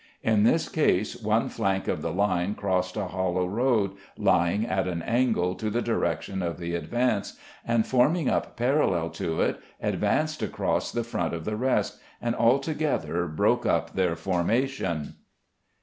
In this case one flank of the line crossed a hollow road, lying at an angle to the direction of the advance, and forming up parallel to it advanced across the front of the rest, and altogether broke up their formation.